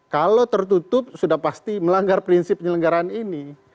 kalau tertutup sudah pasti melanggar prinsip penyelenggaraan ini